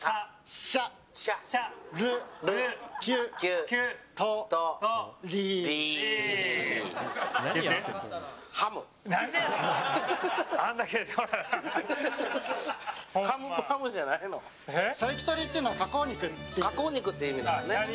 シャルキュトリーというのは加工肉という意味なんですね。